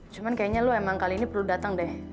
cuman kayaknya lu emang kali ini perlu datang deh